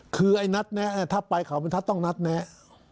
คือไอ้นัดแนะถ้าไปเขาบรรทัศน์ต้องนัดแนะ